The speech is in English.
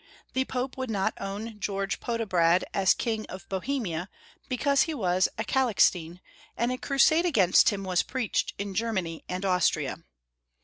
The Pope would not own George Podiebrad as King of Bohemia, because he was a Calixtine, and a crusade against him was preached in Germany and Austria.